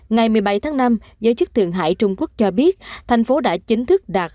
ngày một mươi bảy tháng năm giới chức thượng hải trung quốc cho biết thành phố đã chính thức đạt